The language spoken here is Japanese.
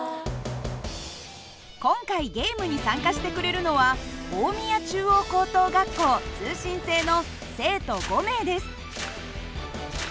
今回ゲームに参加してくれるのは大宮中央高等学校通信制の生徒５名です。